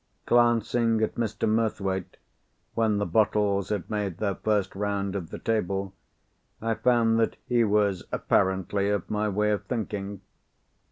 Glancing at Mr. Murthwaite, when the bottles had made their first round of the table, I found that he was apparently of my way of thinking.